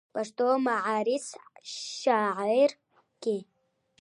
،پښتو معاصره شاعرۍ کې